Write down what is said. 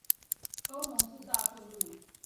高雄市大順路